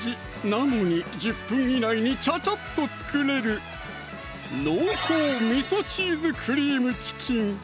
なのに１０分以内にチャチャッと作れる「濃厚みそチーズクリームチキン」